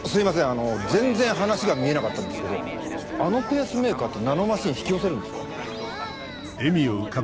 あの全然話が見えなかったんですけどあのペースメーカーってナノマシン引き寄せるんですか？